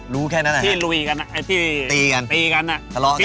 รู้แค่นั้นเหรอครับที่ลุยกันที่ตีกันทะเลาะกัน